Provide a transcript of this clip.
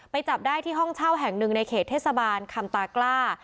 จับได้ที่ห้องเช่าแห่งหนึ่งในเขตเทศบาลคำตากล้า